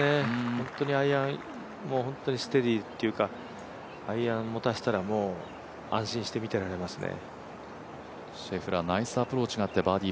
本当にアイアンをステディーというかアイアンを持たせたら、もう、安心して見てられますね。